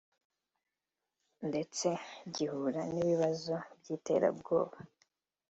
ndetse gihura n’ibibazo by’iterabwoba